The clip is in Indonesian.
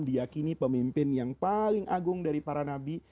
diakini pemimpin yang paling agung dari para nabi